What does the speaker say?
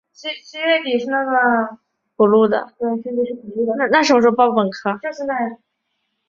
民间相传该建筑为曾国荃后裔所建家祠。